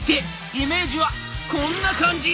イメージはこんな感じ！」。